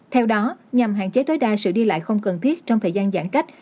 theo đó nhằm hạn chế tối đa sự đi lại không cần thiết trong thời gian giãn cách